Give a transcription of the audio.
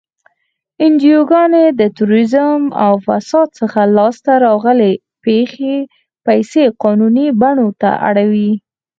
انجوګانې د تروریزم او فساد څخه لاس ته راغلی پیسې قانوني بڼو ته اړوي.